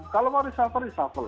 kalau mau risafal risafal lah